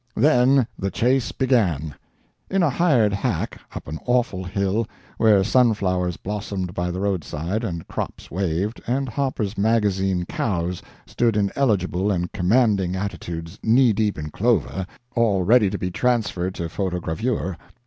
Then the chase began—in a hired hack, up an awful hill, where sunflowers blossomed by the roadside, and crops waved, and Harper's Magazine cows stood in eligible and commanding attitudes knee deep in clover, all ready to be transferred to photogravure.